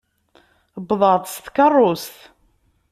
Uwḍeɣ-d s tkeṛṛust.